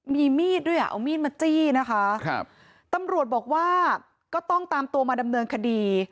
มีมีดด้วยอ่ะเอามีดมาจี้นะคะครับตำรวจบอกว่าก็ต้องตามตัวมาดำเนินคดี